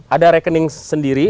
ada rekening sendiri